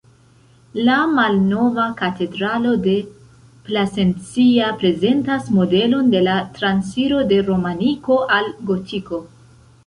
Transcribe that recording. La Malnova Katedralo de Plasencia prezentas modelon de la transiro de romaniko al gotiko.